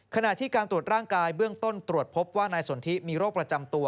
ขณะที่การตรวจร่างกายเบื้องต้นตรวจพบว่านายสนทิมีโรคประจำตัว